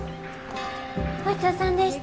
ごちそうさんでした。